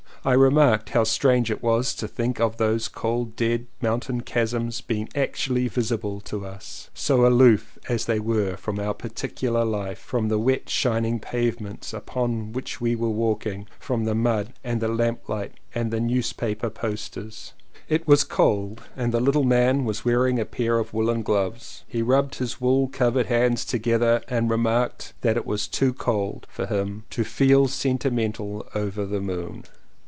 I remarked how strange it was to think of those cold dead mountain chasms being actually visible to us — so aloof as they were from our particular life, from the wet shining pavements along which we were walking, from the mud and the lamplight and the newspaper posters. It was cold and the little man was wearing a pair of woolen gloves. He rubbed his wool covered hands together and remarked that it was too cold for him "to feel sentimental over the moon!"